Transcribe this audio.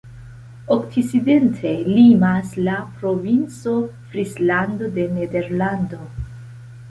Okcidente limas la Provinco Frislando de Nederlando.